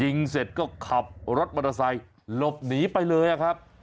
เสร็จก็ขับรถมอเตอร์ไซค์หลบหนีไปเลยครับ